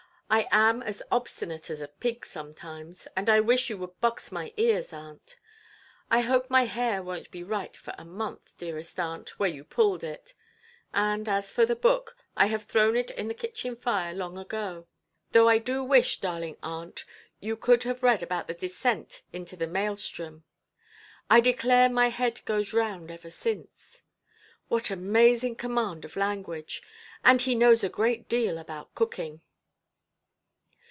I am as obstinate as a pig sometimes; and I wish you would box my ears, aunt. I hope my hair wonʼt be right for a month, dearest aunt, where you pulled it; and as for the book, I have thrown it into the kitchen–fire long ago, though I do wish, darling aunt, you could have read about the descent into the Mäelstrom. I declare my head goes round ever since! What amazing command of language! And he knows a great deal about cooking".